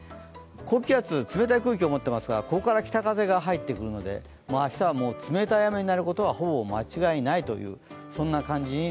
高気圧、冷たい空気を持っていますが、ここから北風が入ってくるので明日は冷たい雨になることは間違いないという感じです。